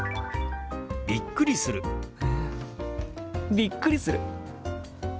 びっくりする。